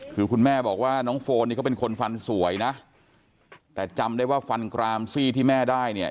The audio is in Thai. คือคุณแม่บอกว่าน้องโฟนนี่เขาเป็นคนฟันสวยนะแต่จำได้ว่าฟันกรามซี่ที่แม่ได้เนี่ย